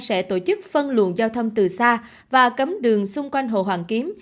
sẽ tổ chức phân luận giao thông từ xa và cấm đường xung quanh hồ hoàng kiếm